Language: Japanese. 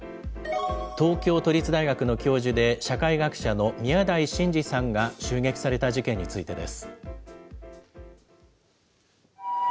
東京都立大学の教授で、社会学者の宮台真司さんが襲撃された事件についてです。